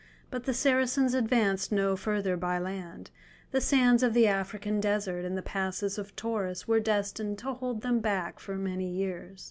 But the Saracens advanced no further by land; the sands of the African desert and the passes of Taurus were destined to hold them back for many years.